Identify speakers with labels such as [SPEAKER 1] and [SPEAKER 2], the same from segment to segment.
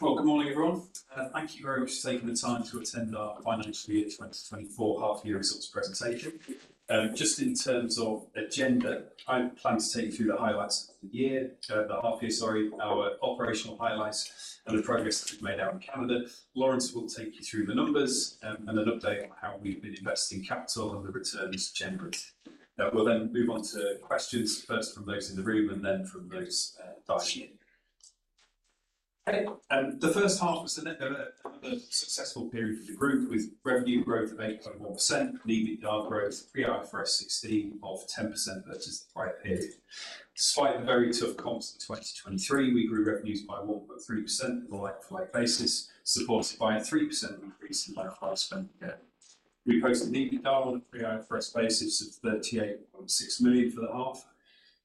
[SPEAKER 1] Well, good morning, everyone. Thank you very much for taking the time to attend our financial year 2024 half year results presentation. Just in terms of agenda, I plan to take you through the highlights of the half year, sorry, our operational highlights, and the progress that we've made out in Canada. Laurence will take you through the numbers, and an update on how we've been investing capital and the returns generated. We'll then move on to questions, first from those in the room and then from those virtually. Okay, the first half was another successful period for the group, with revenue growth of 8.1%, EBITDA growth pre IFRS 16 of 10% versus the prior period. Despite the very tough comps in 2023, we grew revenues by 1.3% on a like-for-like basis, supported by a 3% increase in like-for-like spend per game. We posted EBITDA on a pre-IFRS basis of 38.6 million for the half.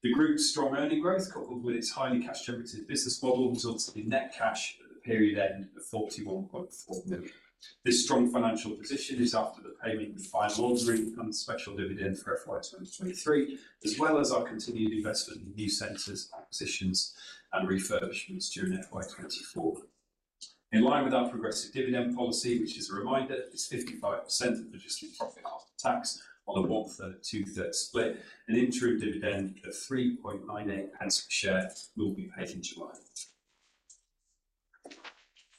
[SPEAKER 1] The group's strong earnings growth, coupled with its highly cash-generative business model, resulted in net cash at the period end of 41.4 million. This strong financial position is after the payment of the final dividend and the special dividend for FY 2023, as well as our continued investment in new centers, acquisitions, and refurbishments during FY 2024. In line with our progressive dividend policy, which as a reminder, is 55% of the adjusted profit after tax on a one-third, two-third split, an interim dividend of 3.98 pence per share will be paid in July.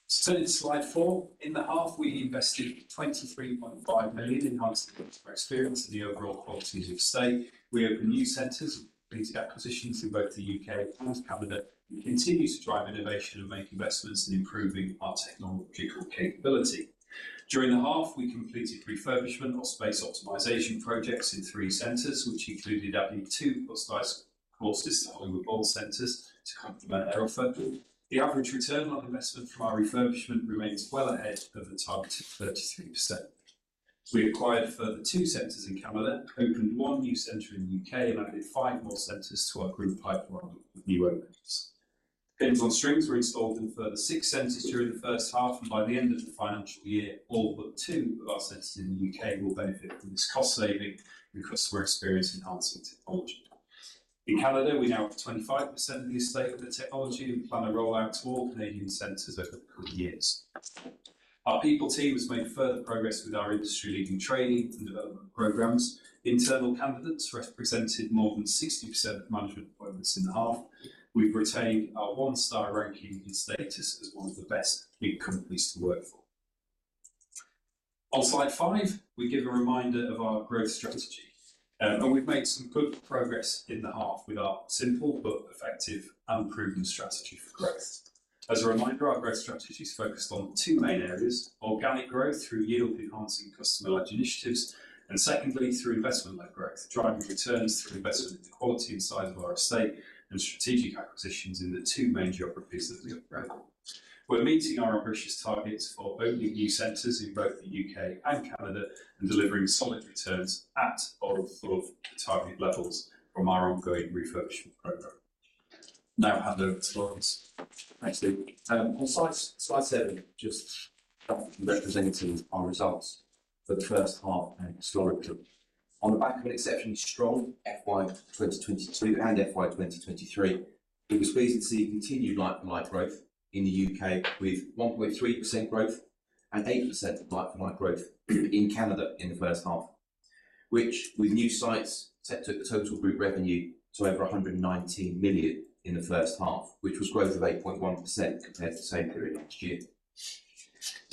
[SPEAKER 1] So in Slide 4, in the half, we invested 23.5 million, enhancing customer experience and the overall quality of sites. We opened new centers, completed acquisitions in both the U.K. and Canada, and continued to drive innovation and make investments in improving our technological capability. During the half, we completed refurbishment or space optimization projects in three centers, which included adding two crazy golf courses to Hollywood Bowl centers to complement their offer. The average return on investment from our refurbishment remains well ahead of the target of 33%. We acquired a further two centers in Canada, opened one new center in the U.K., and added five more centers to our group pipeline of new openings. Pins on Strings were installed in a further six centers during the first half, and by the end of the financial year, all but two of our centers in the U.K. will benefit from this cost-saving and customer experience-enhancing technology. In Canada, we now have 25% of the estate with the technology and plan to roll out to all Canadian centers over the coming years. Our people team has made further progress with our industry-leading training and development programs. Internal candidates represented more than 60% of management appointments in the half. We've retained our one-star ranking and status as one of the best big companies to work for. On Slide 5, we give a reminder of our growth strategy, and we've made some good progress in the half with our simple but effective and proven strategy for growth. As a reminder, our growth strategy is focused on two main areas: organic growth through yield-enhancing customer initiatives, and secondly, through investment-led growth, driving returns through investment in the quality and size of our estate and strategic acquisitions in the two main geographies that we operate. We're meeting our ambitious targets for opening new centers in both the U.K. and Canada, and delivering solid returns at or above the target levels from our ongoing refurbishment program. Now I'll hand over to Laurence.
[SPEAKER 2] Thanks, Steve. On Slide 7, just representing our results for the first half and historically. On the back of an exceptionally strong FY 2022 and FY 2023, it was pleasing to see continued like-for-like growth in the U.K., with 1.3% growth and 8% like-for-like growth in Canada in the first half, which with new sites, took the total group revenue to over 119 million in the first half, which was growth of 8.1% compared to the same period last year.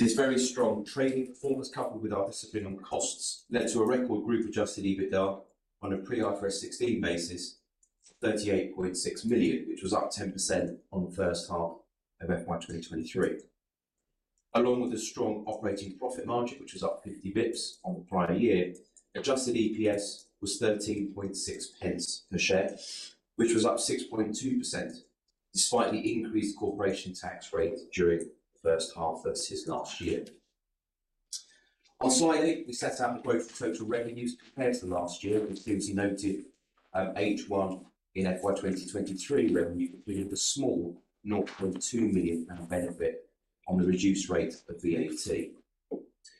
[SPEAKER 2] This very strong trading performance, coupled with our discipline on costs, led to a record group adjusted EBITDA on a pre IFRS 16 basis, 38.6 million, which was up 10% on the first half of FY 2023. Along with a strong operating profit margin, which was up 50 basis points on the prior year, Adjusted EPS was 13.6 pence per share, which was up 6.2%, despite the increased corporation tax rate during the first half versus last year. On Slide 8, we set out the growth of total revenues compared to last year, which obviously noted H1 in FY 2023 revenue, including the small 0.2 million pound benefit on the reduced rate of VAT.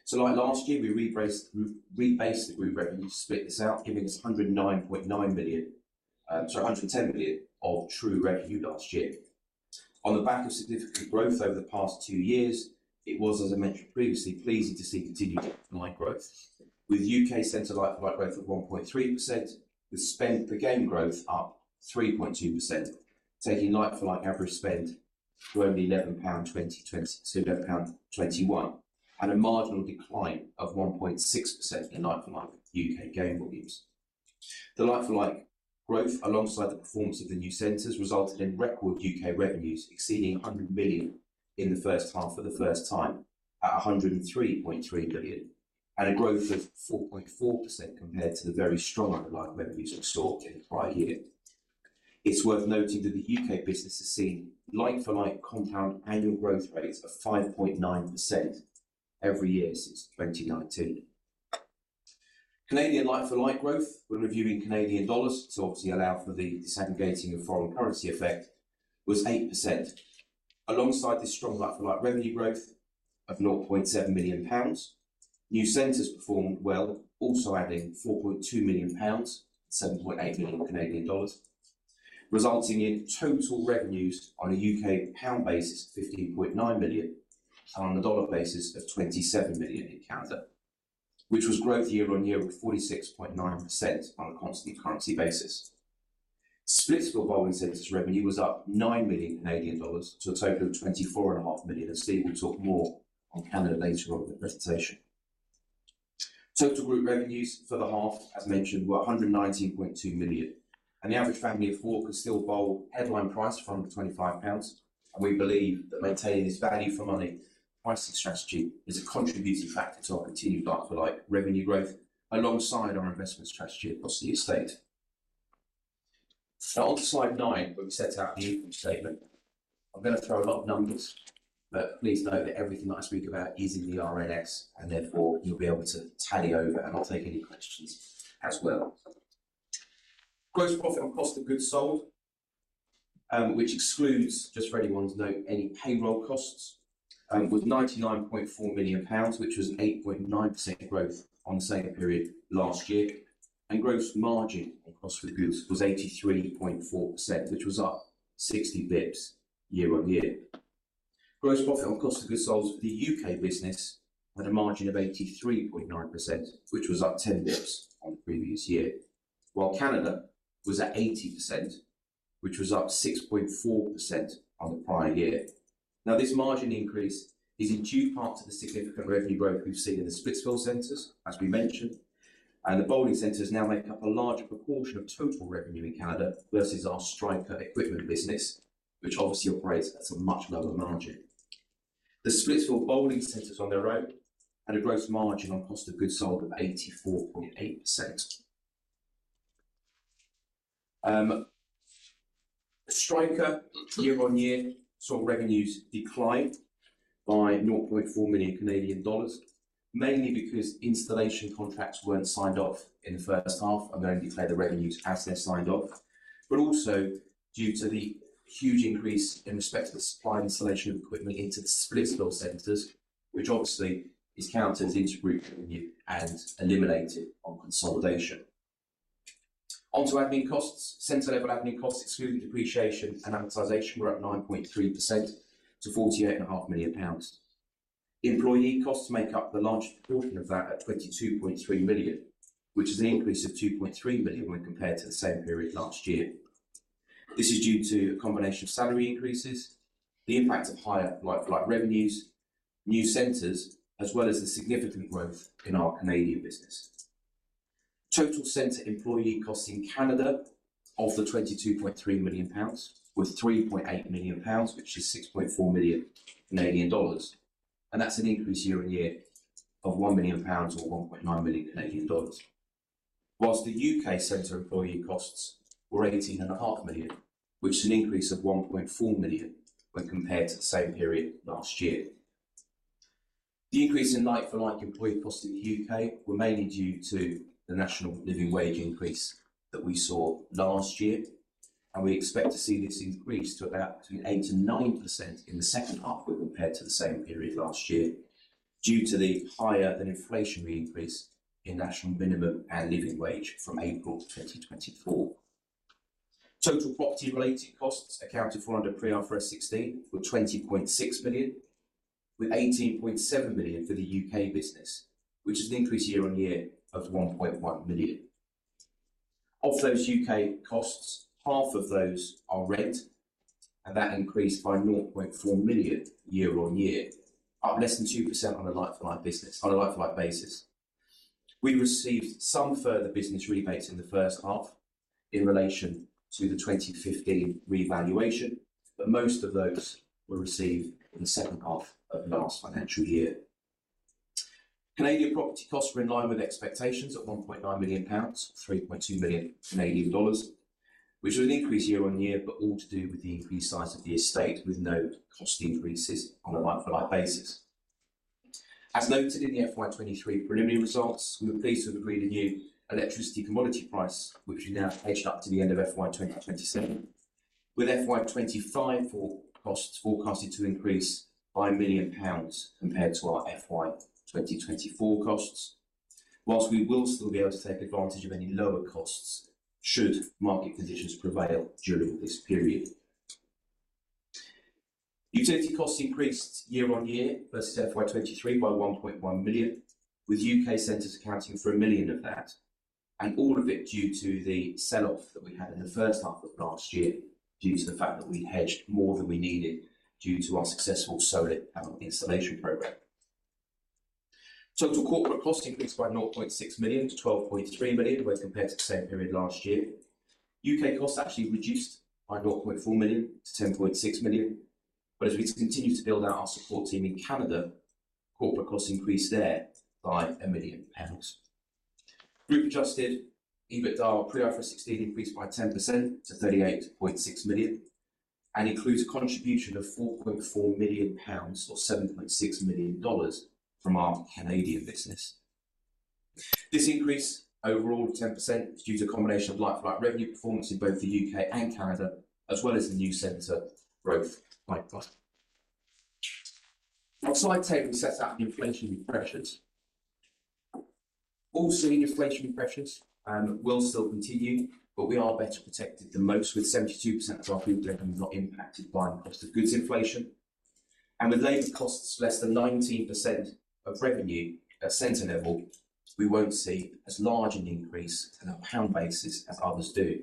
[SPEAKER 2] So like last year, we rebased the group revenue to split this out, giving us 109.9 million GBP, 110 million of true revenue last year. On the back of significant growth over the past two years, it was, as I mentioned previously, pleasing to see continued like-for-like growth. With U.K. center like-for-like growth of 1.3%, the spend per game growth up 3.2%, taking like-for-like average spend to only 11.20 pound - so 11.21, and a marginal decline of 1.6% in like-for-like U.K. game volumes. The like-for-like growth, alongside the performance of the new centers, resulted in record UK revenues exceeding 100 million in the first half for the first time, at 103.3 million, and a growth of 4.4% compared to the very strong like-for-like revenues we saw in the prior year. It's worth noting that the U.K. business has seen like-for-like compound annual growth rates of 5.9% every year since 2019. Canadian like-for-like growth, we're reviewing Canadian dollars to obviously allow for the disaggregating of foreign currency effect, was 8%. Alongside this strong like-for-like revenue growth of 0.7 million pounds. New centers performed well, also adding 4.2 million pounds, 7.8 million Canadian dollars, resulting in total revenues on a UK pound basis of 15.9 million, and on the dollar basis of 27 million in Canada, which was growth year-over-year with 46.9% on a constant currency basis. Splitsville bowling centers revenue was up 9 million Canadian dollars to a total of 24.5 million, as Steve will talk more on Canada later on in the presentation. Total group revenues for the half, as mentioned, were 119.2 million, and the average family of four could still bowl headline price for under 25 pounds. We believe that maintaining this value for money pricing strategy is a contributing factor to our continued like-for-like revenue growth alongside our investment strategy across the estate. On to Slide 9, where we set out the income statement. I'm going to throw a lot of numbers, but please note that everything I speak about is in the RNS, and therefore you'll be able to tally over, and I'll take any questions as well. Gross profit on cost of goods sold, which excludes, just for anyone to know, any payroll costs, was 99.4 million pounds, which was 8.9% growth on the same period last year, and gross margin on cost of goods was 83.4%, which was up 60 basis points year-on-year. Gross profit on Cost of Goods Sold for the U.K. business had a margin of 83.9%, which was up 10 basis points on the previous year, while Canada was at 80%, which was up 6.4% on the prior year. Now, this margin increase is in due part to the significant revenue growth we've seen in the Splitsville centers, as we mentioned, and the bowling centers now make up a larger proportion of total revenue in Canada versus our Striker equipment business, which obviously operates at a much lower margin. The Splitsville bowling centers on their own had a gross margin on Cost of Goods Sold of 84.8%. Striker, year-on-year, saw revenues declined by 0.4 million Canadian dollars, mainly because installation contracts weren't signed off in the first half and only declared the revenues as they're signed off. But also due to the huge increase in respect to the supply and installation of equipment into the Splitsville centers, which obviously is counted into group revenue and eliminated on consolidation. Onto admin costs. Center-level admin costs, excluding depreciation and amortization, were up 9.3% to 48.5 million pounds. Employee costs make up the largest proportion of that at 22.3 million, which is an increase of 2.3 million when compared to the same period last year. This is due to a combination of salary increases, the impact of higher like-for-like revenues, new centers, as well as the significant growth in our Canadian business. Total center employee costs in Canada of the 22.3 million pounds was 3.8 million pounds, which is 6.4 million Canadian dollars, and that's an increase year-over-year of 1 million pounds or 1.9 million Canadian dollars. While the U.K. center employee costs were 18.5 million, which is an increase of 1.4 million when compared to the same period last year. The increase in like-for-like employee costs in the U.K. were mainly due to the National Living Wage increase that we saw last year, and we expect to see this increase to about between 8% and 9% in the second half when compared to the same period last year, due to the higher than inflationary increase in National Minimum and Living Wage from April 2024. Total property-related costs accounted for under pre-IFRS 16 were 20.6 million, with 18.7 million for the U.K. business, which is an increase year-on-year of 1.1 million. Of those U.K. costs, half of those are rent, and that increased by 0.4 million year-on-year, up less than 2% on a like-for-like business-- on a like-for-like basis. We received some further business rebates in the first half in relation to the 2015 revaluation, but most of those were received in the second half of last financial year. Canadian property costs were in line with expectations at 1.9 million pounds, 3.2 million Canadian dollars, which was an increase year-on-year, but all to do with the increased size of the estate, with no cost increases on a like-for-like basis. As noted in the FY 2023 preliminary results, we were pleased to have agreed a new electricity commodity price, which is now hedged up to the end of FY 2027, with FY 2025 for costs forecasted to increase by 1 million pounds compared to our FY 2024 costs. While we will still be able to take advantage of any lower costs, should market conditions prevail during this period. Utility costs increased year-on-year versus FY 2023 by 1.1 million, with U.K. centers accounting for 1 million of that, and all of it due to the sell-off that we had in the first half of last year, due to the fact that we hedged more than we needed due to our successful solar installation program. Total corporate costs increased by 0.6 million to 12.3 million when compared to the same period last year. U.K. costs actually reduced by 0.4 million to 10.6 million, but as we continue to build out our support team in Canada, corporate costs increased there by 1 million pounds. Group Adjusted EBITDA pre-IFRS 16 increased by 10% to 38.6 million and includes a contribution of 4.4 million pounds, or $7.6 million from our Canadian business. This increase overall of 10% is due to a combination of like-for-like revenue performance in both the U.K. and Canada, as well as the new center growth like that. On Slide 8, we set out the inflationary pressures. All seeing inflationary pressures will still continue, but we are better protected than most, with 72% of our food revenue not impacted by the cost of goods inflation. And with labor costs less than 19% of revenue at center level, we won't see as large an increase in a pound basis as others do.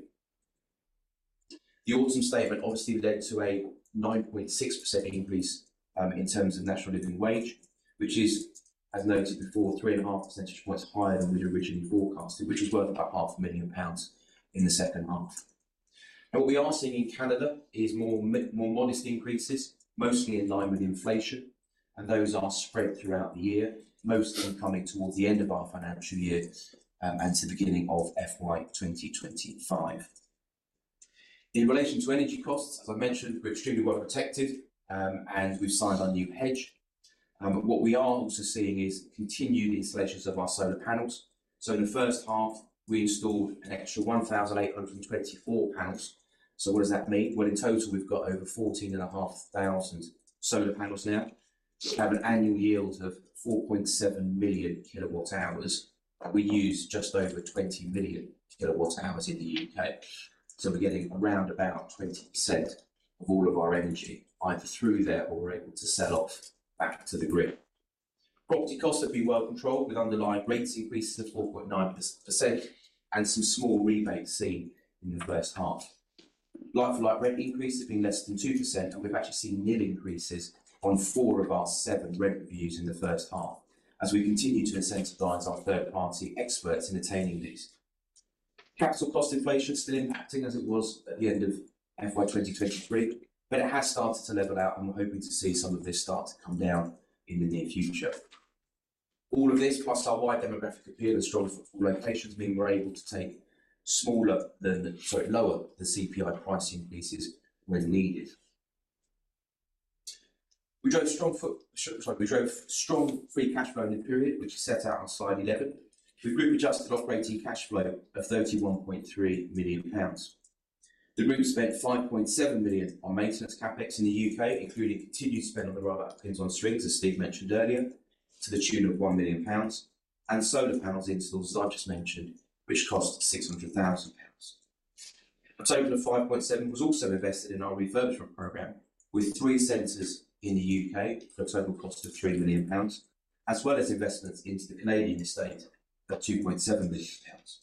[SPEAKER 2] The Autumn Statement obviously led to a 9.6% increase in terms of National Living Wage, which is, as noted before, 3.5 percentage points higher than we'd originally forecasted, which is worth about 500,000 pounds in the second half. Now, what we are seeing in Canada is more modest increases, mostly in line with inflation, and those are spread throughout the year, most of them coming towards the end of our financial year, and to the beginning of FY 2025. In relation to energy costs, as I mentioned, we're extremely well protected, and we've signed our new hedge. What we are also seeing is continued installations of our solar panels. So in the first half, we installed an extra 1,824 panels. So what does that mean? Well, in total, we've got over 14,500 solar panels now. Have an annual yield of 4.7 million kWh, and we use just over 20 million kWh in the U.K. So we're getting around about 20% of all of our energy, either through there or we're able to sell off back to the grid. Property costs have been well controlled, with underlying rates increases of 4.9% and some small rebates seen in the first half. Like-for-like rent increases have been less than 2%, and we've actually seen nil increases on four of our seven rent reviews in the first half, as we continue to incentivize our third-party experts in attaining these. Capital cost inflation is still impacting as it was at the end of FY 2023, but it has started to level out, and we're hoping to see some of this start to come down in the near future. All of this, plus our wide demographic appeal and strong locations, mean we're able to take lower the CPI price increases when needed. We drove strong free cash flow in the period, which is set out on Slide 11, with group-adjusted operating cash flow of 31.3 million pounds. The group spent 5.7 million on maintenance CapEx in the U.K., including continued spend on the roll-out of Pins on Strings, as Steve mentioned earlier, to the tune of 1 million pounds, and solar panels installs, as I just mentioned, which cost 600,000 pounds. A total of 5.7 million was also invested in our refurbishment program, with three centers in the U.K.. .for a total cost of 3 million pounds, as well as investments into the Canadian estate at 2.7 million pounds.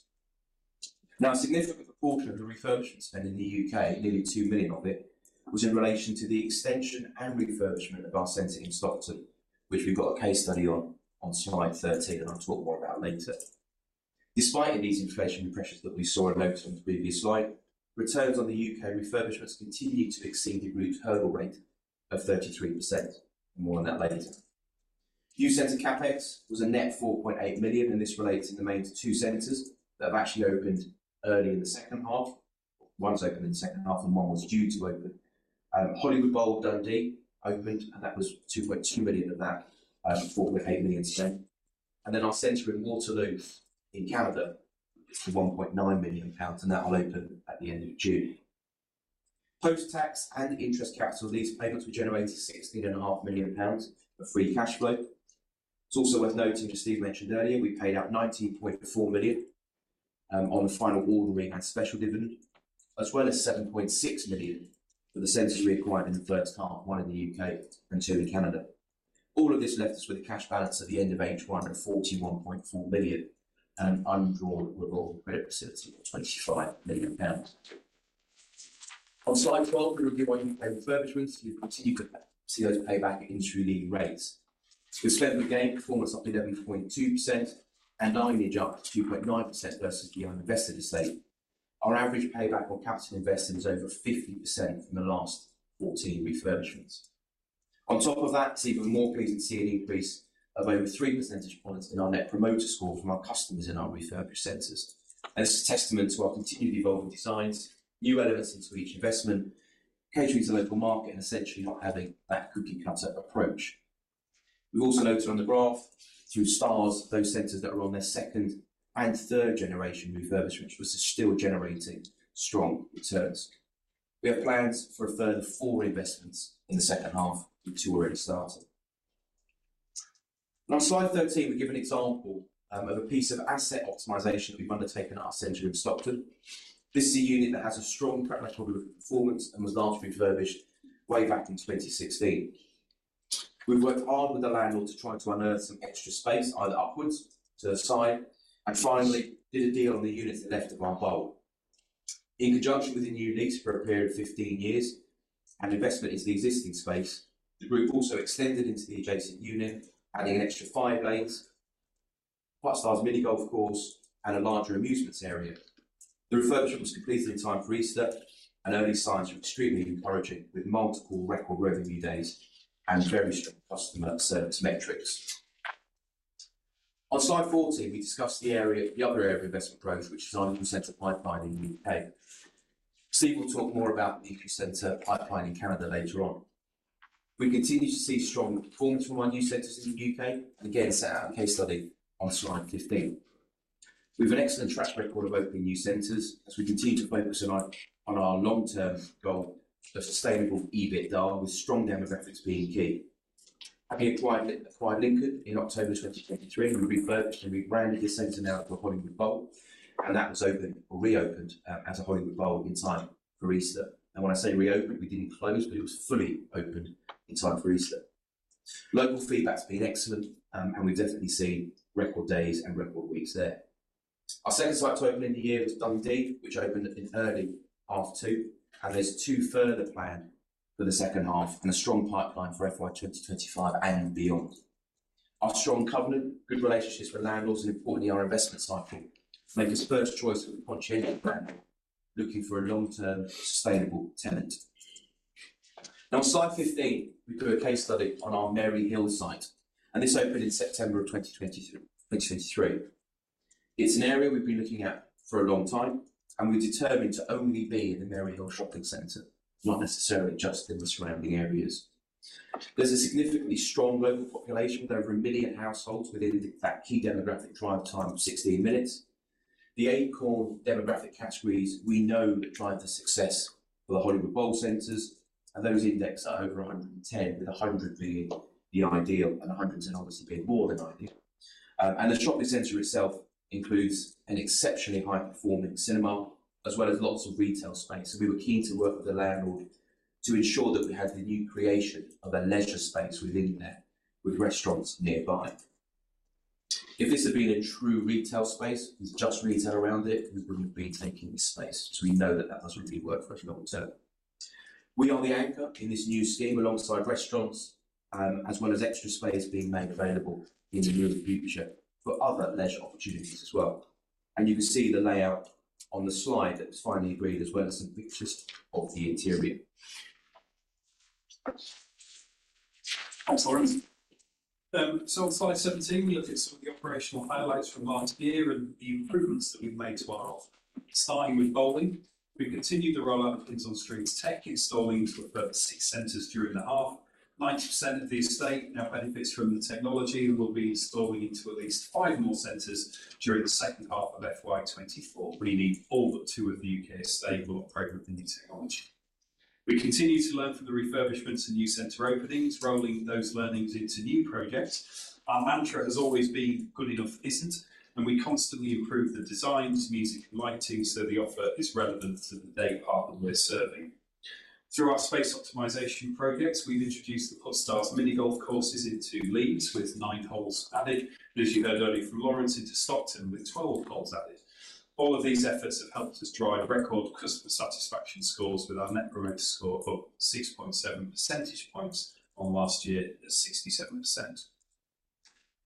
[SPEAKER 2] Now, a significant proportion of the refurbishment spend in the UK, nearly 2 million of it, was in relation to the extension and refurbishment of our center in Stockton, which we've got a case study on, on Slide 13, and I'll talk more about later. Despite these inflationary pressures that we saw and noted on the previous slide, returns on the U.K. refurbishments continued to exceed the group's hurdle rate of 33%. More on that later. New center CapEx was a net 4.8 million, and this relates to the main two centers that have actually opened early in the second half. One's opened in the second half, and one was due to open. Hollywood Bowl, Dundee, opened, and that was 2.2 million of that, 4.8 million spent. And then our center in Waterloo in Canada is for 1.9 million pounds, and that will open at the end of June. Post-tax and interest capital, these payments will generate 16.5 million pounds of free cash flow. It's also worth noting, as Steve mentioned earlier, we paid out 19.4 million on the final ordinary and special dividend, as well as 7.6 million for the centers we acquired in the first half, 1 in the U.K. and 2 in Canada. All of this left us with a cash balance at the end of H1 41.4 million, and an undrawn Revolving Credit Facility of 25 million pounds. On Slide 12, we review our U.K. refurbishments. We've continued to see those paybacks in two leading rates. With 7% gain, performance up to 11.2% and 9% gain up to 2.9% versus the invested estate. Our average payback on capital invested was over 50% from the last 14 refurbishments. On top of that, it's even more pleasing to see an increase of over 3 percentage points in our Net Promoter Score from our customers in our refurbished centers. And this is a testament to our continually evolving designs, new elements into each investment, catering to the local market, and essentially not having that cookie-cutter approach. We've also noted on the graph, through stars, those centers that are on their second and third-generation refurbishment, which is still generating strong returns. We have plans for a further four investments in the second half, with two already started. On Slide 13, we give an example of a piece of asset optimization that we've undertaken at our center in Stockton. This is a unit that has a strong track record of performance and was last refurbished way back in 2016. We've worked hard with the landlord to try to unearth some extra space, either upwards to the side, and finally did a deal on the unit to the left of our bowl. In conjunction with the new lease for a period of 15 years and investment into the existing space, the group also extended into the adjacent unit, adding an extra five lanes, Puttstars mini-golf course, and a larger amusements area. The refurbishment was completed in time for Easter, and early signs are extremely encouraging, with multiple record revenue days and very strong customer service metrics. On Slide 14, we discussed the area, the other area of investment growth, which is our new center pipeline in the U.K. Steve will talk more about the new center pipeline in Canada later on. We continue to see strong performance from our new centers in the U.K., and again, set out in case study on Slide 15. We have an excellent track record of opening new centers as we continue to focus on our long-term goal of sustainable EBITDA, with strong demographics being key. Having acquired Lincoln in October 2023, and refurbished and rebranded this center now to a Hollywood Bowl, and that was opened or reopened as a Hollywood Bowl in time for Easter. And when I say reopened, we didn't close, but it was fully opened in time for Easter. Local feedback's been excellent, and we've definitely seen record days and record weeks there. Our second site to open in the year was Dundee, which opened in early half two, and there's two further planned for the second half, and a strong pipeline for FY 2025 and beyond. Our strong covenant, good relationships with landlords, and importantly, our investment cycle, make us first choice when opportunities arise, looking for a long-term, sustainable tenant. Now, on Slide 15, we do a case study on our Merry Hill site, and this opened in September of 2022-2023. It's an area we've been looking at for a long time, and we're determined to only be in the Merry Hill Shopping Center, not necessarily just in the surrounding areas. There's a significantly strong local population, with over 1 million households within that key demographic drive time of 16 minutes. The Acorn demographic categories we know drive the success for the Hollywood Bowl centers, and those indexed are over 110, with 100 being the ideal, and 110 obviously being more than ideal. And the shopping center itself includes an exceptionally high-performing cinema, as well as lots of retail space, so we were keen to work with the landlord to ensure that we had the new creation of a leisure space within there, with restaurants nearby. If this had been a true retail space with just retail around it, we wouldn't have been taking the space, so we know that that doesn't really work for us long term. We are the anchor in this new scheme, alongside restaurants, as well as extra space being made available in the near future for other leisure opportunities as well. You can see the layout on the slide that was finally agreed, as well as some pictures of the interior.
[SPEAKER 1] Thanks, Laurence. So on Slide 17, we look at some of the operational highlights from last year and the improvements that we've made to our offer. Starting with bowling, we continued the rollout of Pins on Strings tech, installing into a further 6 centers during the half. 90% of the estate now benefits from the technology and will be installing into at least five more centers during the second half of FY 2024, meaning all but 2 of the U.K. estate will operate with the new technology. We continue to learn from the refurbishments and new center openings, rolling those learnings into new projects. Our mantra has always been, "Good enough isn't," and we constantly improve the designs, music, and lighting, so the offer is relevant to the day part that we're serving. Through our space optimization projects, we've introduced the Puttstars mini-golf courses into Leeds, with nine holes added, and as you heard earlier from Laurence, into Stockton, with 12 holes added. All of these efforts have helped us drive record customer satisfaction scores, with our Net Promoter Score up 6.7 percentage points on last year at 67%.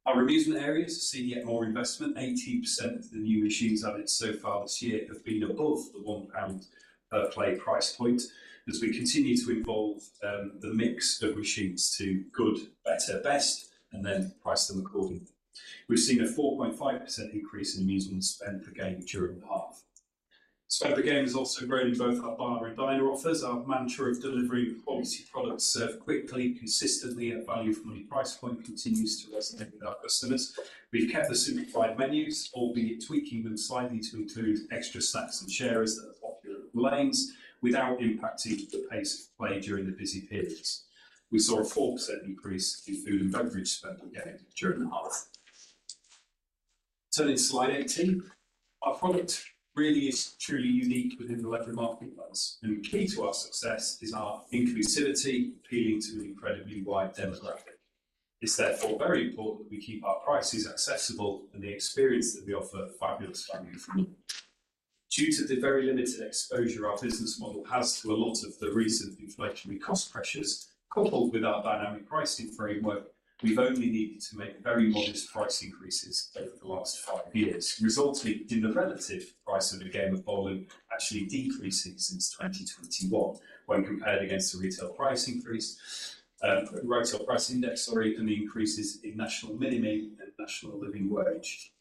[SPEAKER 1] Our amusement areas have seen yet more investment. 80% of the new machines added so far this year have been above the 1 pound per play price point, as we continue to evolve the mix of machines to good, better, best, and then price them accordingly. We've seen a 4.5% increase in amusement spend per game during the half. Spend per game has also grown in both our bar and diner offers. Our mantra of delivering quality products served quickly, consistently at value-for-money price point continues to resonate with our customers. We've kept the simplified menus, albeit tweaking them slightly to include extra snacks and sharers that are popular at the lanes, without impacting the pace of play during the busy periods. We saw a 4% increase in food and beverage spend per game during the half. Turning to Slide 18. Our product really is truly unique within the leisure marketplace, and key to our success is our inclusivity, appealing to an incredibly wide demographic. It's therefore very important that we keep our prices accessible and the experience that we offer fabulous value for money. Due to the very limited exposure our business model has to a lot of the recent inflationary cost pressures, coupled with our dynamic pricing framework, we've only needed to make very modest price increases over the last five years, resulting in the relative price of a game of bowling actually decreasing since 2021 when compared against the retail price increase, Retail Price Index, and the increases in National Minimum and National Living Wage.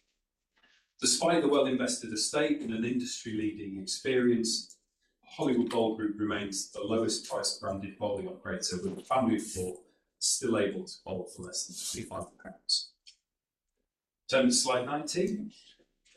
[SPEAKER 1] Despite the well-invested estate and an industry-leading experience, Hollywood Bowl Group remains the lowest priced branded bowling operator, with a family of four still able to bowl for less than GBP 25. Turning to Slide 19.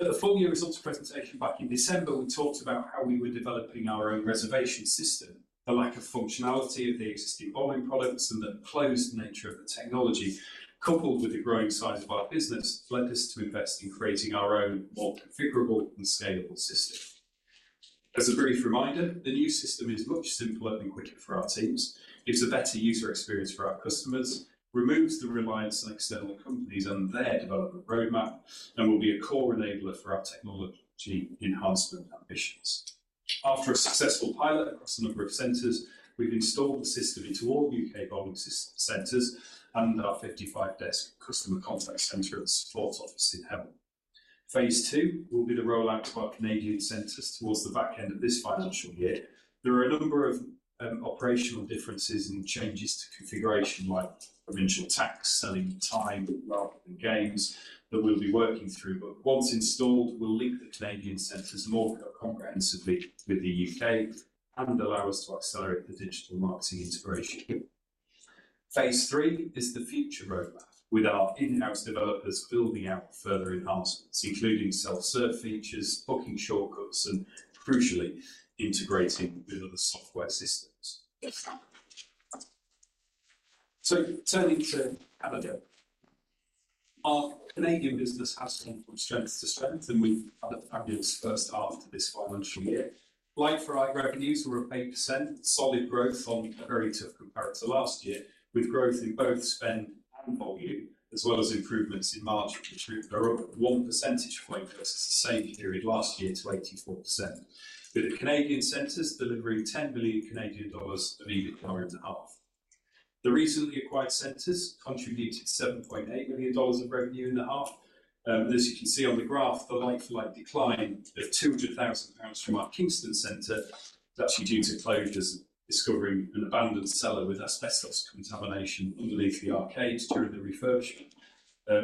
[SPEAKER 1] At the full-year results presentation back in December, we talked about how we were developing our own reservation system. The lack of functionality of the existing bowling products and the closed nature of the technology, coupled with the growing size of our business, led us to invest in creating our own more configurable and scalable system. As a brief reminder, the new system is much simpler and quicker for our teams, gives a better user experience for our customers, removes the reliance on external companies and their development roadmap, and will be a core enabler for our technology enhancement ambitions. After a successful pilot across a number of centers, we've installed the system into all U.K. bowling centers and our 55-desk customer contact center at the support office in Hemel. Phase II will be the rollout to our Canadian centers towards the back end of this financial year. There are a number of operational differences and changes to configuration, like provincial tax, selling time rather than games, that we'll be working through. But once installed, we'll link the Canadian centers more comprehensively with the U.K. and allow us to accelerate the digital marketing integration... Phase III is the future roadmap, with our in-house developers building out further enhancements, including self-serve features, booking shortcuts, and crucially, integrating with other software systems. Turning to Canada. Our Canadian business has come from strength to strength, and we've had a fabulous first half to this financial year. Like-for-like, revenues were up 8%, solid growth from a very tough comparator last year, with growth in both spend and volume, as well as improvements in margin, which are up 1 percentage point versus the same period last year to 84%, with the Canadian centers delivering 10 million Canadian dollars of EBITDA in the half. The recently acquired centers contributed 7.8 million dollars of revenue in the half. As you can see on the graph, the like-for-like decline of 200,000 pounds from our Kingston center is actually due to closures, discovering an abandoned cellar with asbestos contamination underneath the arcades during the refurbishment,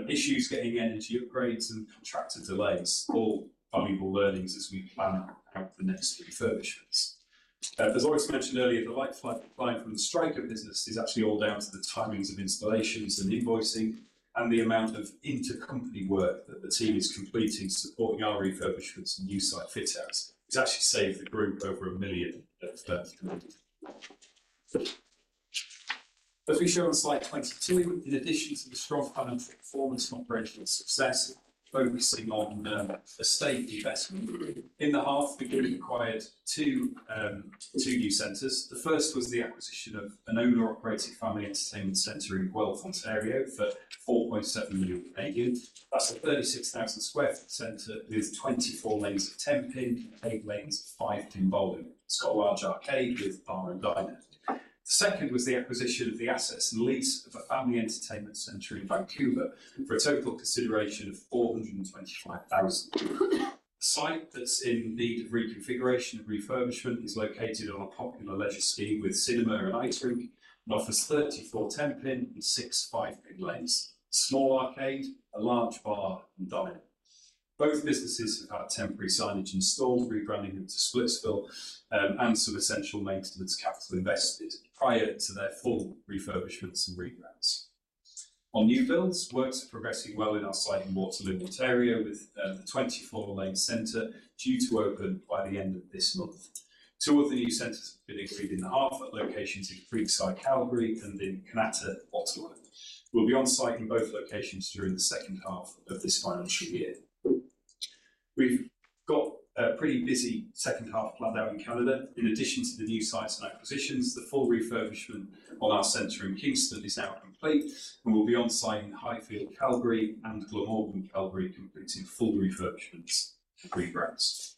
[SPEAKER 1] issues getting energy upgrades and contractor delays, all valuable learnings as we plan out the next refurbishments. As Laurie mentioned earlier, the like-for-like decline from the Striker business is actually all down to the timings of installations and invoicing and the amount of intercompany work that the team is completing, supporting our refurbishments and new site fit outs. It's actually saved the group over 1 million at least. As we show on Slide 22, in addition to the strong financial performance and operational success, focusing on estate investment. In the half, we acquired two new centers. The first was the acquisition of an owner-operated family entertainment center in Guelph, Ontario, for 4.7 million. That's a 36,000 sq ft center with 24 lanes of ten-pin, eight lanes of five-pin bowling, got a large arcade with bar and diner. The second was the acquisition of the assets and lease of a family entertainment center in Vancouver, for a total consideration of 425,000. The site that's in need of reconfiguration and refurbishment is located on a popular leisure scheme with cinema and ice rink, and offers 34 ten-pin and 6 five-pin lanes, small arcade, a large bar, and diner. Both businesses have had temporary signage installed, rebranding them to Splitsville, and some essential maintenance capital invested prior to their full refurbishments and rebrands. On new builds, works are progressing well in our site in Waterloo, Ontario, with the 24-lane center due to open by the end of this month. Two of the new centers have been agreed in the half at locations in Creekside, Calgary, and in Kanata, Ottawa. We'll be on site in both locations during the second half of this financial year. We've got a pretty busy second half planned out in Canada. In addition to the new sites and acquisitions, the full refurbishment on our center in Kingston is now complete, and we'll be on site in Highfield, Calgary, and Glenmore in Calgary, completing full refurbishments and rebrands.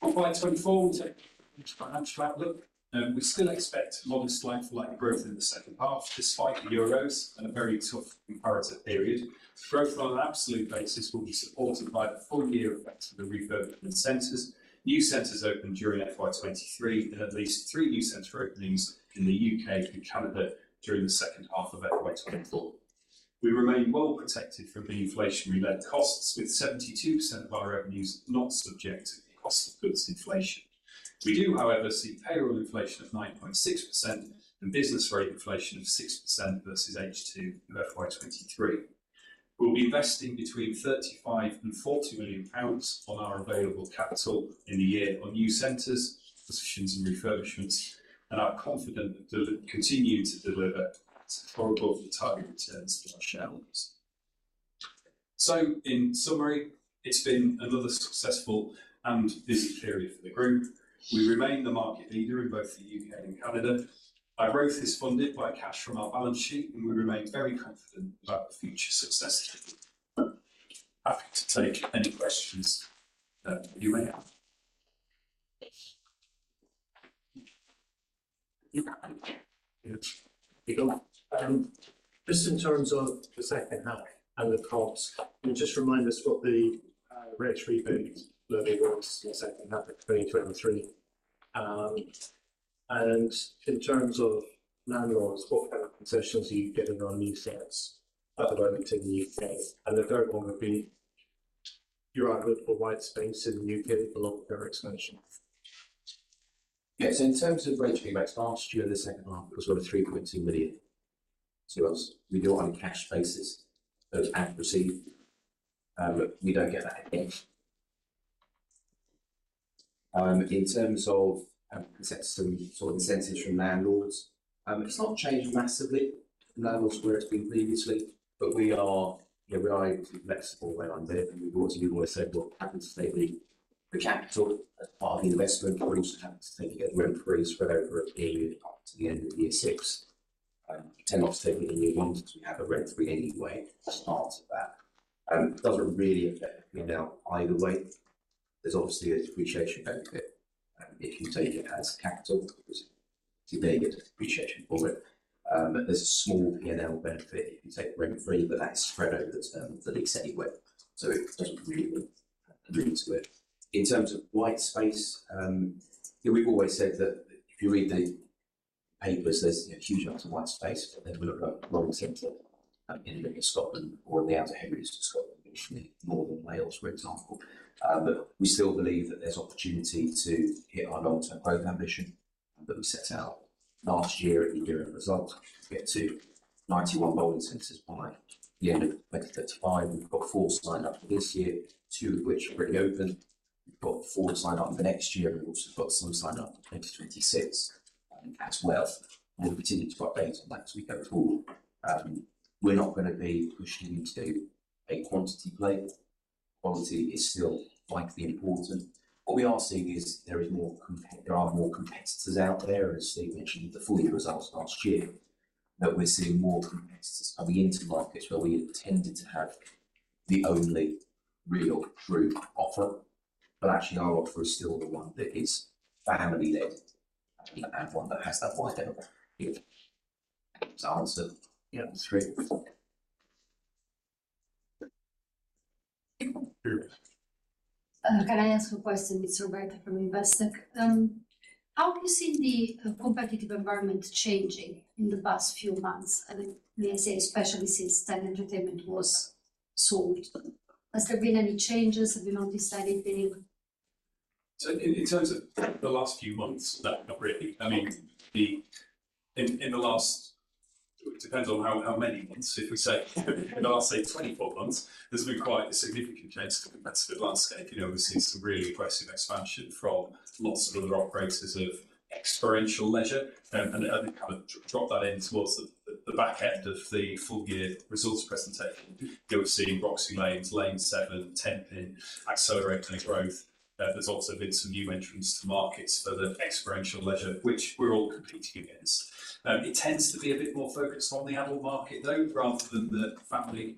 [SPEAKER 1] For FY 2024, take financial outlook. We still expect modest like-for-like growth in the second half, despite the Euros and a very tough comparative period. Growth on an absolute basis will be supported by the full year effect of the refurbishment centers, new centers opened during FY 2023, and at least three new center openings in the U.K. and Canada during the second half of FY 2024. We remain well protected from the inflationary-led costs, with 72% of our revenues not subject to cost of goods inflation. We do, however, see payroll inflation of 9.6% and business rate inflation of 6% versus H2 of FY 2023. We'll be investing between 35 million and 40 million pounds on our available capital in the year on new centers, positions, and refurbishments, and are confident that they'll continue to deliver superior target returns to our shareholders. So in summary, it's been another successful and busy period for the group. We remain the market leader in both the U.K. and Canada. Our growth is funded by cash from our balance sheet, and we remain very confident about the future success. Happy to take any questions that you may have.
[SPEAKER 3] You got one?
[SPEAKER 1] Yeah. You go.
[SPEAKER 3] Just in terms of the second half and the costs, can you just remind us what the rate rebates level was in the second half of 2023? And in terms of landlords, what kind of concessions are you getting on new centers at the moment in the U.K.? And the third one would be, your outlook for white space in the U.K. with longer expansion.
[SPEAKER 1] Yes, in terms of rate rebates, last year, the second half was worth 3.2 million to us. We do it on a cash basis for accuracy, but we don't get that again. In terms of, concession, so incentives from landlords, it's not changed massively, landlords, where it's been previously, but we are... Yeah, we are flexible when I'm there. We've also said what happens to be the capital as part of the investment, but we also have to take a rent freeze for over a period up to the end of year six. Tend not to take any new ones because we have a rent-free anyway at the start of that. It doesn't really affect P&L either way. There's obviously a depreciation benefit, if you take it as capital, because you get a depreciation for it. There's a small P&L benefit if you take rent-free, but that's spread over the term that is anyway, so it doesn't really add to it. In terms of white space, yeah, we've always said that if you read the papers, there's a huge amount of white space, but then we look at the wrong center. in mainland Scotland or in the Outer Hebrides in Scotland, which is in northern Wales, for example. But we still believe that there's opportunity to hit our long-term growth ambition that we set out last year in the year-end results, to get to 91 bowling centers by the end of 2035. We've got four signed up for this year, two of which are already open. We've got four signed up for next year, and we've also got some signed up for 2026 as well. We'll continue to update on that as we go forward. We're not gonna be pushing into a quantity play. Quality is still likely important. What we are seeing is there are more competitors out there, as Steve mentioned in the full year results last year, that we're seeing more competitors coming into markets where we intended to have the only real true offer. But actually, our offer is still the one that is family-led. We have one that has that wide appeal. Does that answer?
[SPEAKER 3] Yeah, it's great.
[SPEAKER 4] Can I ask a question? It's Roberta from Investec. How have you seen the competitive environment changing in the past few months? And may I say, especially since Ten Entertainment was sold. Has there been any changes? Have you noticed anything?
[SPEAKER 1] So in terms of the last few months, no, not really. I mean, in the last. It depends on how many months. If we say, in the last, say, 24 months, there's been quite a significant change to the competitive landscape. You know, we've seen some really aggressive expansion from lots of other operators of experiential leisure, and they kind of dropped that in towards the back end of the full year results presentation. You know, we've seen Roxy Lanes, Lane7, Tenpin accelerating their growth. There's also been some new entrants to markets for the experiential leisure, which we're all competing against. It tends to be a bit more focused on the adult market, though, rather than the family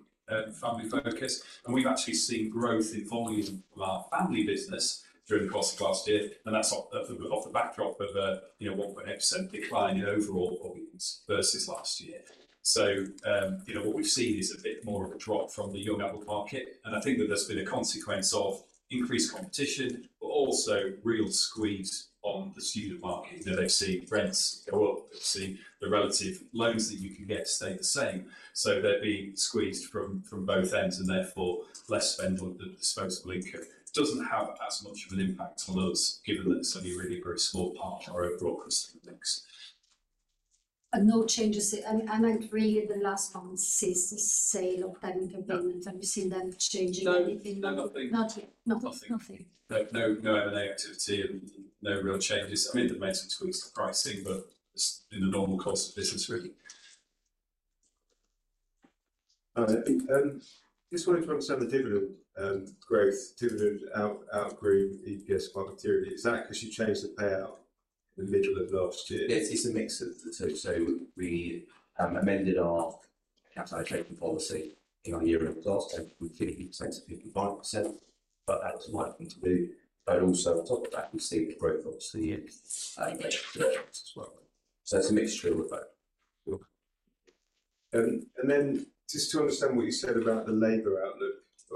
[SPEAKER 1] focus, and we've actually seen growth in volume of our family business through the course of last year, and that's off the backdrop of a, you know, 1.8% decline in overall volumes versus last year. So, you know, what we've seen is a bit more of a drop from the young adult market, and I think that that's been a consequence of increased competition, but also real squeeze on the student market. You know, they've seen rents go up, they've seen the relative loans that you can get stay the same, so they're being squeezed from both ends, and therefore, less spend on the disposable income. Doesn't have as much of an impact on us, given that it's only a really very small part of our overall customer mix.
[SPEAKER 4] And no changes, like really the last one since the sale of Ten Entertainment-
[SPEAKER 1] No.
[SPEAKER 4] Have you seen them changing anything?
[SPEAKER 1] No. No, nothing.
[SPEAKER 4] Nothing?
[SPEAKER 1] Nothing.
[SPEAKER 4] Nothing.
[SPEAKER 1] No, no M&A activity and no real changes. I mean, they've made some tweaks to pricing, but just in the normal cost of business, really.
[SPEAKER 3] Just wanted to understand the dividend growth, dividend outpaces group EPS materially. Is that 'cause you changed the payout in the middle of last year?
[SPEAKER 2] Yes, it's a mix of... So we amended our capitalization policy in our year-end last time from 50% to 55%, but that was a wise thing to do, but also on top of that, we've seen growth obviously in, as well. So it's a mixture of both.
[SPEAKER 3] And then just to understand what you said about the labor outlook,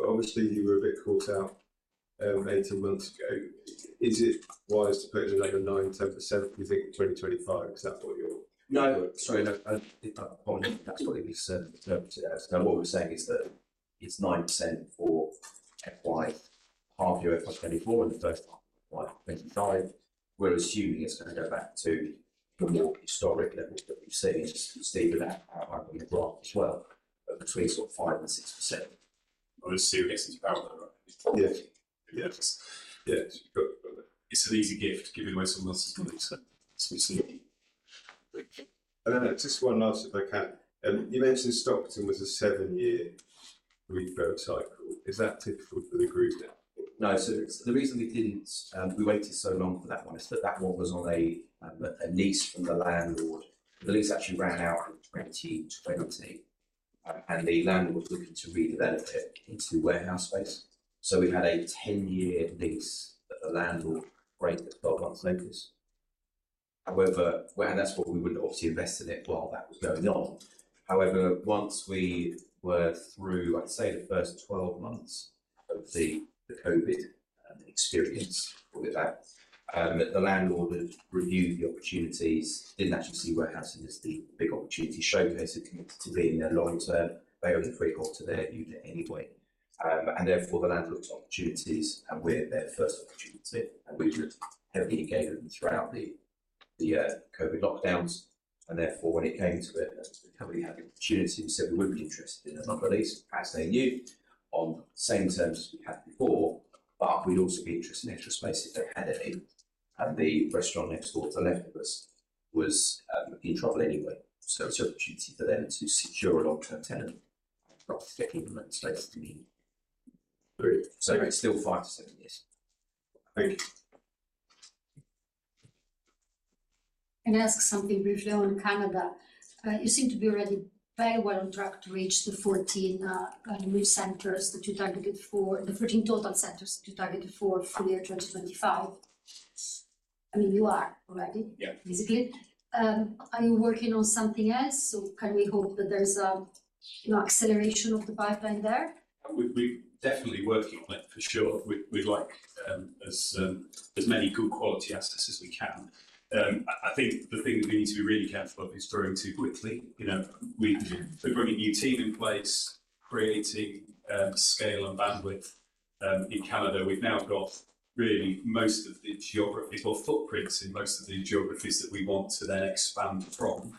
[SPEAKER 3] obviously, you were a bit caught out 18 months ago. Is it wise to put it in like 9%-10%, you think, in 2025? Is that what you're-
[SPEAKER 2] No, sorry, no. That's probably misinterpreted there. So what we're saying is that it's 9% for FY half year of 2024, and the first half of 2025, we're assuming it's gonna go back to the more historic levels that we've seen. Steve, you can add up on the graph as well, but between sort of 5% and 6%.
[SPEAKER 3] Well, let's see what happens about that, right?
[SPEAKER 1] Yeah. Yeah. Yeah, but, but it's an easy gift, giving away someone else's money.
[SPEAKER 3] Just one last, if I can. You mentioned Stockton was a seven-year rebuild cycle. Is that typical for the group now?
[SPEAKER 2] No. So the reason we didn't, we waited so long for that one is that that one was on a, a lease from the landlord. The lease actually ran out in 2020, and the landlord was looking to redevelop it into warehouse space. So we had a 10-year lease that the landlord broke at 12 months notice. However, well, and that's what we wouldn't obviously invest in it while that was going on. However, once we were through, I'd say, the first 12 months of the COVID experience, call it that, the landlord had reviewed the opportunities, didn't actually see warehousing as the big opportunity showcasing it to be in the long term. They only pretty got to their unit anyway. And therefore, the landlord looked at opportunities, and we're their first opportunity, and we've heavily engaged with them throughout the COVID lockdowns. Therefore, when it came to it, and we had the opportunity, we said we would be interested in another lease, as they knew, on the same terms as we had before, but we'd also be interested in extra space if they had any. The restaurant next door to the left of us was in trouble anyway. So it's an opportunity for them to secure a long-term tenant rather than getting in that space to me.
[SPEAKER 3] Brilliant.
[SPEAKER 1] So it's still five to seven, yes.
[SPEAKER 3] Thank you.
[SPEAKER 4] Can I ask something briefly on Canada? You seem to be already very well on track to reach the 14 new centers that you targeted for, the 14 total centers that you targeted for full year 2025. I mean, you are already-
[SPEAKER 1] Yeah.
[SPEAKER 4] Basically. Are you working on something else, or can we hope that there's a, you know, acceleration of the pipeline there?
[SPEAKER 1] We're definitely working on it for sure. We'd like as many good quality assets as we can. I think the thing that we need to be really careful of is growing too quickly. You know, we're bringing a new team in place, creating scale and bandwidth in Canada. We've now got really most of the geographies or footprints in most of the geographies that we want to then expand from.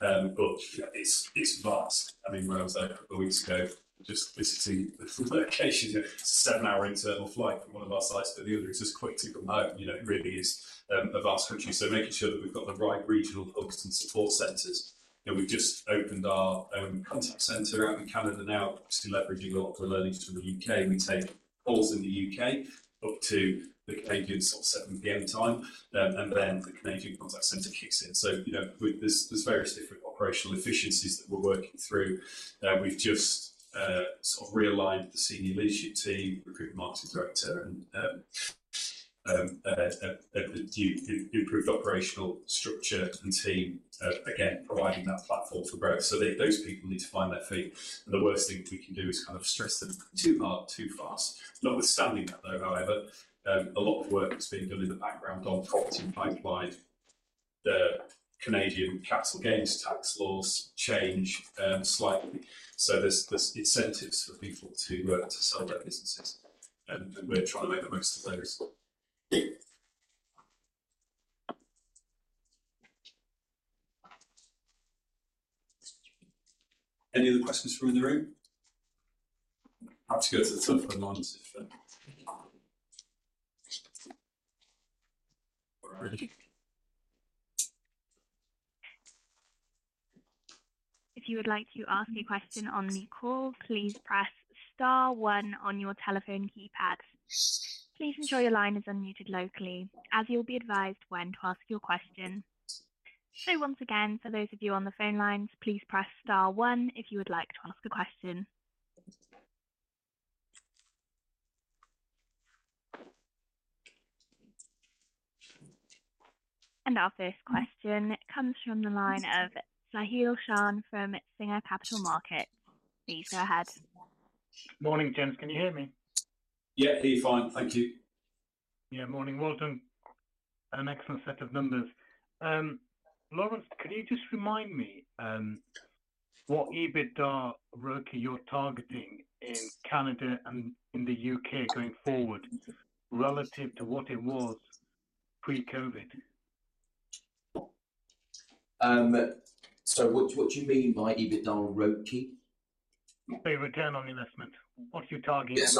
[SPEAKER 1] But it's vast. I mean, when I was there a couple of weeks ago, just visiting the locations, a seven-hour internal flight from one of our sites to the other is as quick to come home. You know, it really is a vast country. So making sure that we've got the right regional hubs and support centers, and we've just opened our contact center out in Canada now, obviously leveraging a lot of the learnings from the U.K. We take calls in the U.K. up to the Canadian sort of 7:00 P.M. time, and then the Canadian contact center kicks in. So, you know, there's various different operational efficiencies that we're working through. We've just sort of realigned the senior leadership team, recruited a marketing director, and improved operational structure and team, again, providing that platform for growth. So those people need to find their feet, and the worst thing we can do is kind of stress them too hard, too fast. Notwithstanding that, though, however, a lot of work that's being done in the background on property pipeline, the Canadian capital gains tax laws change, slightly. So there's incentives for people to to sell their businesses, and we're trying to make the most of those. Any other questions from in the room? Have to go to the telephone lines if...?
[SPEAKER 5] If you would like to ask a question on the call, please press star one on your telephone keypad. Please ensure your line is unmuted locally, as you'll be advised when to ask your question. So once again, for those of you on the phone lines, please press star one if you would like to ask a question. And our first question comes from the line of Sahill Shan from Singer Capital Markets. Please, go ahead.
[SPEAKER 6] Morning, gents. Can you hear me?
[SPEAKER 1] Yeah, fine. Thank you.
[SPEAKER 6] Yeah, morning. Welcome. An excellent set of numbers. Laurence, could you just remind me what EBITDA ROIC you're targeting in Canada and in the U.K. going forward relative to what it was pre-COVID?
[SPEAKER 1] So what do you mean by EBITDA ROIC?
[SPEAKER 6] A Return on Investment. What's your target on the-?
[SPEAKER 1] Yes,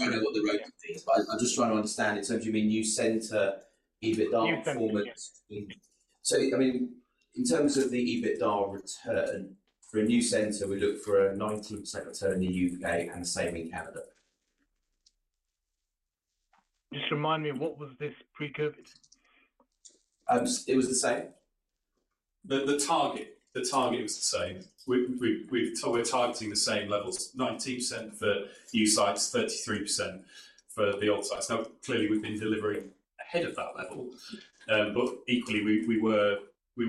[SPEAKER 1] I know what the ROIC is, but I'm just trying to understand it. So do you mean new center EBITDA performance?
[SPEAKER 6] Yes.
[SPEAKER 1] I mean, in terms of the EBITDA return, for a new center, we look for a 19% return in the U.K. and the same in Canada.
[SPEAKER 6] Just remind me, what was this pre-COVID?
[SPEAKER 2] It was the same. The target was the same. We're targeting the same levels, 19% for new sites, 33% for the old sites. Now, clearly, we've been delivering ahead of that level, but equally, we were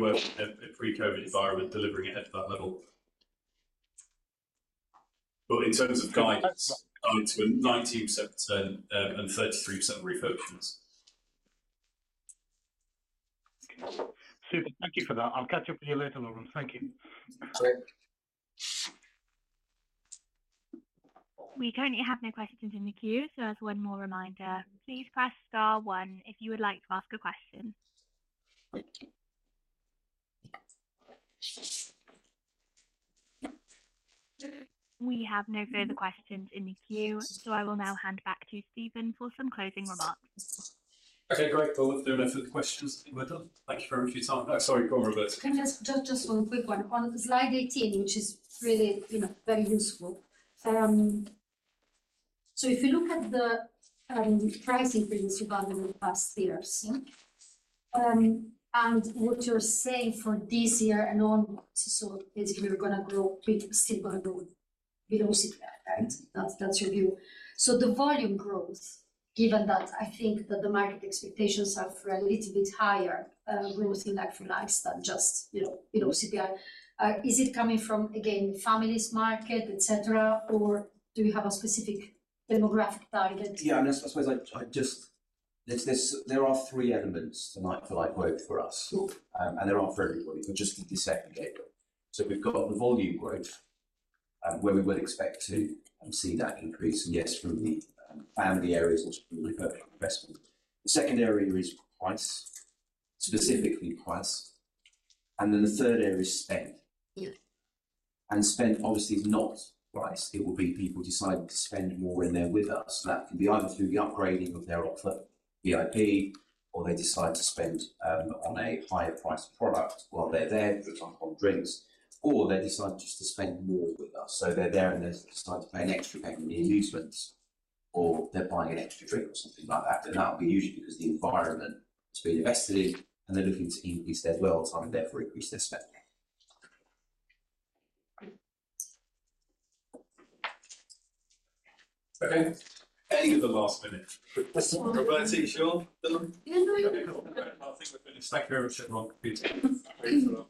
[SPEAKER 2] at a pre-COVID environment, delivering ahead of that level. But in terms of guidance, 19% return, and 33% refocused.
[SPEAKER 6] Super. Thank you for that. I'll catch up with you later, Laurence. Thank you.
[SPEAKER 2] Great.
[SPEAKER 5] We currently have no questions in the queue, so as one more reminder, please press star one if you would like to ask a question. We have no further questions in the queue, so I will now hand back to Stephen for some closing remarks.
[SPEAKER 1] Okay, great. Well, if there are no further questions, we're done. Thank you very much, Tom. Sorry, go on, Roberta.
[SPEAKER 4] Can I just one quick one. On Slide 18, which is really, you know, very useful. So if you look at the pricing things you've done in the past years, and what you're saying for this year and onwards, so basically, you're gonna grow with CPI below CPI, right? That's your view. So the volume growth, given that I think that the market expectations are for a little bit higher growth in like-for-like than just, you know, CPI. Is it coming from, again, families market, et cetera, or do you have a specific demographic target?
[SPEAKER 1] Yeah, and I suppose I'd just... There are three elements to like-for-like growth for us, and there are for everybody, but just to disaggregate them. So we've got the volume growth, where we would expect to see that increase, and yes, from the family areas, which will be perfectly investment. The second area is price, specifically price, and then the third area is spend.
[SPEAKER 4] Yeah.
[SPEAKER 1] Spend, obviously, is not price. It will be people deciding to spend more when they're with us, and that can be either through the upgrading of their outlet, VIP, or they decide to spend on a higher priced product while they're there, for example, on drinks, or they decide just to spend more with us. So they're there, and they decide to pay an extra penny in the amusements, or they're buying an extra drink or something like that. But that would be usually because the environment has been invested in, and they're looking to increase their well time, therefore, increase their spend. Okay. Anything at the last minute? Roberta, you sure?
[SPEAKER 4] Yeah.
[SPEAKER 1] I think we're finished. Thank you very much.